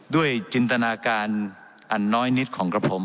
จินตนาการอันน้อยนิดของกระผม